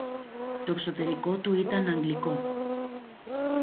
Το εξωτερικό του ήταν αγγλικό